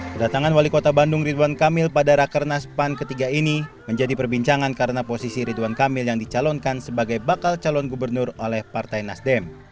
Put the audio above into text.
kedatangan wali kota bandung ridwan kamil pada rakernas pan ketiga ini menjadi perbincangan karena posisi ridwan kamil yang dicalonkan sebagai bakal calon gubernur oleh partai nasdem